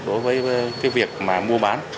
đối với cái việc mà mua bán